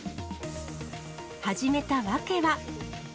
始めた訳は。